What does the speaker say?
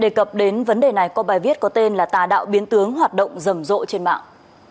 đề cập đến vấn đề này qua bài viết có tên là tà đạo biến tướng hoạt động rầm rộ trên mạng